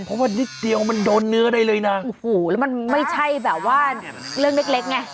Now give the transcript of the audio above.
เพราะว่านิดเดียวมันโดนเนื้อได้เลยนะโอ้โหแล้วมันไม่ใช่แบบว่าเรื่องเล็กเล็กไง